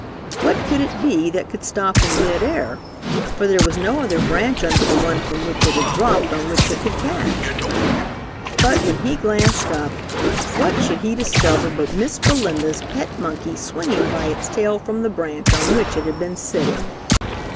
What could it be that could stop in mid air, for there was no other branch under the one from which it had dropped on which it could catch. But when he glanced up, what should he discover but Miss Belinda's pet monkey swinging by its tail from the branch on which it had been sitting!